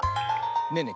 ねえねえ